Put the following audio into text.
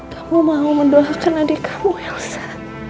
kamu mau mendoakan adik kamu elsa